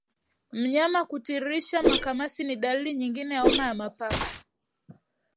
Mnyama kutiririsha makamasi ni dalili nyingine ya homa ya mapafu